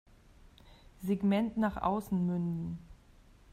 Segment nach außen münden.